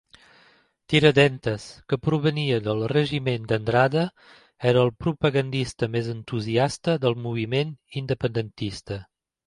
Tiradentes, que provenia del regiment d'Andrade, era el propagandista més entusiasta del moviment independentista.